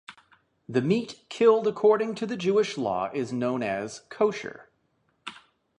The meat killed according to the Jewish law is known as kosher.